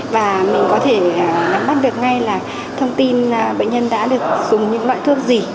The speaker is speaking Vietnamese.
và mình có thể nắm bắt được ngay là thông tin bệnh nhân đã được dùng những loại thuốc gì